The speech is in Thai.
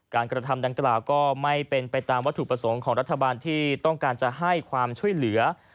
กระทำดังกล่าวก็ไม่เป็นไปตามวัตถุประสงค์ของรัฐบาลที่ต้องการจะให้ความช่วยเหลือ